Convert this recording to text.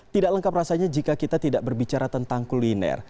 tidak lengkap rasanya jika kita tidak berbicara tentang kuliner